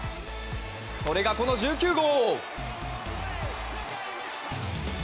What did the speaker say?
それが、この１９号！